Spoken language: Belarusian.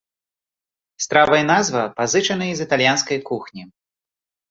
Страва і назва пазычаныя з італьянскай кухні.